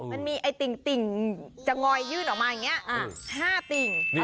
มันมีไอ้ติ่งจะงอยยื่นออกมาอย่างนี้๕ติ่ง